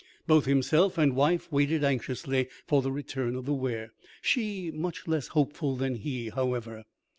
Both himself and wife waited anxiously for the return of the ware; she much less hopeful than he, however.